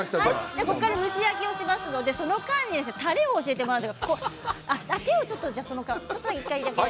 ここから蒸し焼きにしますので、その間にたれを教えていただいて。